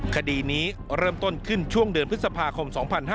คดีนี้เริ่มต้นขึ้นช่วงเดือนพฤษภาคม๒๕๕๙